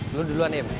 lu duluan im